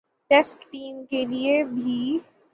test team کے لیے بھی